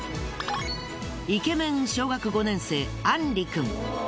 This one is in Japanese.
イケメン小学５年生庵李くん。